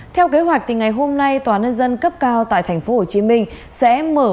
theo kế hoạch ngày hôm nay tòa nhân dân cấp cao tại tp hcm sẽ mở phiên tòa